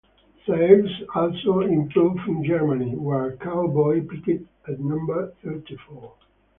Sales also improved in Germany, where "Cowboy" peaked at number thirty-four.